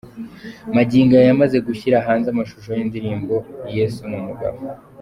Magingo aya yamaze gushyira hanze amashusho y'indirimbo 'Yesu ni umugabo'.